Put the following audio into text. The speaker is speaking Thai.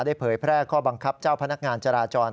เผยแพร่ข้อบังคับเจ้าพนักงานจราจร